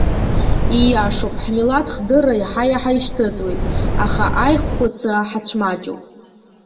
Ииашоуп, ҳмилаҭ хдырра иаҳа-иаҳа ишьҭыҵуеит, аха аиххәыцра ҳацәмаҷуп.